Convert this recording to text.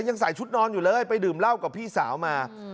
ยังใส่ชุดนอนอยู่เลยไปดื่มเหล้ากับพี่สาวมา